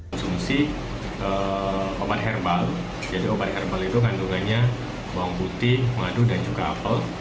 konsumsi obat herbal jadi obat herbal itu kandungannya bawang putih madu dan juga apel